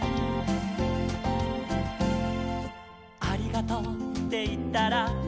「ありがとうっていったら」